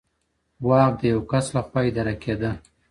واک د یو کس لخوا اداره کیده.